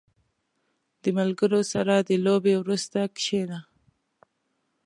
• د ملګرو سره د لوبې وروسته کښېنه.